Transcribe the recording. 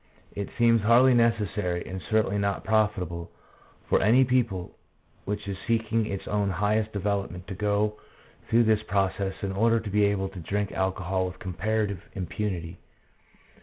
It seems hardly necessary, and certainly not profitable, for any people which is seeking its own highest development, to go through this process in order to be able to drink alcohol with comparative impunity.